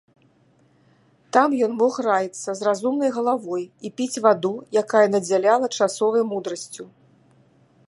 Там ён мог раіцца з разумнай галавой і піць ваду, якая надзяляла часовай мудрасцю.